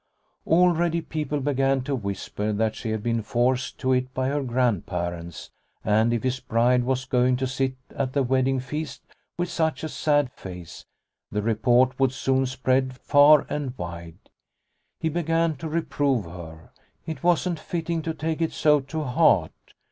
Already people began to whisper that she had been forced to it by her grandparents, and if his bride was going to sit at the wedding feast with such a sad face, the report would soon spread far and wide. He began to reprove her. It wasn't fitting to take it so to heart.